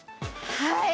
はい！